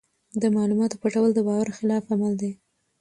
د معلوماتو پټول د باور خلاف عمل دی.